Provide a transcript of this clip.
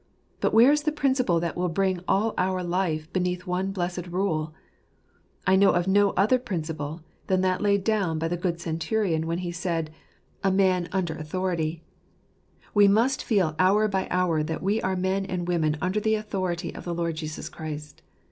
Where is the principle that will bring all our life beneath one blessed rule ? I know of no other principle than that laid down by the good centurion, when he said, " A man under authority " We must feel hour by hour that we are men and women under the authority of the Lord Jesus Christ.